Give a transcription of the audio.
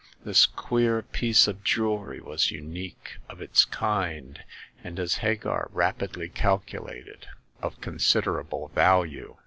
This queer piece of jewelry was unique of its kind, and, as Hagar rapidly calculated, of con siderable value.